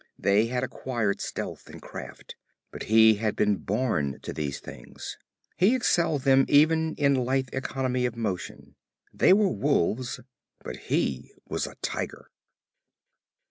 They had acquired stealth and craft, but he had been born to these things. He excelled them even in lithe economy of motion. They were wolves, but he was a tiger.